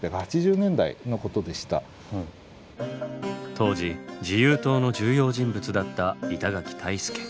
当時自由党の重要人物だった板垣退助。